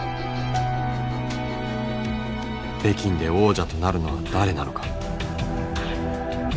北京で王者となるのは誰なのか。